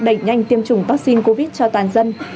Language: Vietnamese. đẩy nhanh tiêm chủng vaccine covid cho toàn dân